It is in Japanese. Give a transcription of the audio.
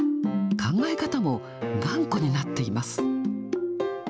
考え方も頑固になっています。